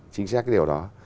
chính xác điều đó